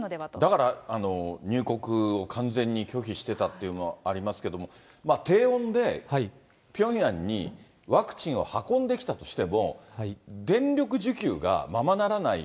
だから入国を完全に拒否してたっていうのはありますけど、低温でピョンヤンにワクチンを運んできたとしても、電力需給がままならない